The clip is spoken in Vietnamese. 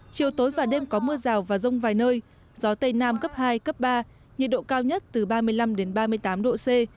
chiều tối và đêm có mưa rào và rông vài nơi gió tây nam cấp hai cấp ba nhiệt độ cao nhất từ ba mươi năm ba mươi tám độ c